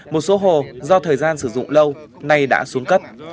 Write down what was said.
một số hồ do thời gian sử dụng lâu nay đã xuống cấp